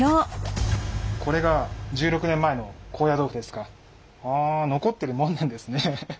これが１６年前の高野豆腐ですか。はあ残ってるものなんですね。